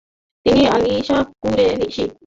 আমি আনিশা কুরেশি।